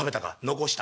「残した」。